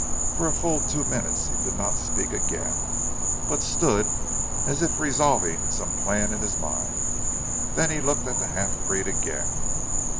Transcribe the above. For a full two minutes he did not speak again, but stood as if resolving some plan in his mind, then he looked at the half breed again.